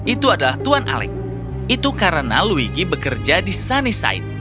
itu adalah tuan alec itu karena luigi bekerja di sunnyside